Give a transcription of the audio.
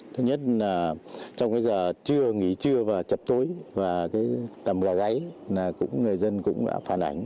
thứ nhất là trong cái giờ trưa nghỉ trưa và chật tối và cái tầm là gáy là cũng người dân cũng đã phản ảnh